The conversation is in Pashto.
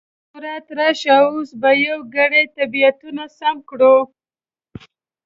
په هر صورت، راشه اوس به یو ګړی طبیعتونه سم کړو.